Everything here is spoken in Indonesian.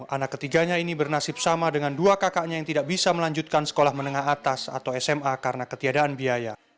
anak ketiganya ini bernasib sama dengan dua kakaknya yang tidak bisa melanjutkan sekolah menengah atas atau sma karena ketiadaan biaya